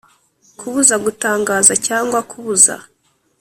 Kubuza gutangaza cyangwa kubuza